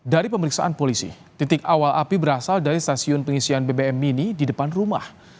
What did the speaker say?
dari pemeriksaan polisi titik awal api berasal dari stasiun pengisian bbm mini di depan rumah